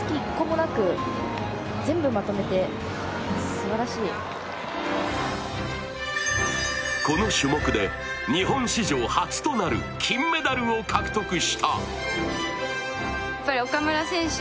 そしてこの種目で日本史上初となる金メダルを獲得した。